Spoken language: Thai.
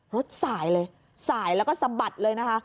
รถสายเลยสายแล้วก็สะบัดเลยนะคะ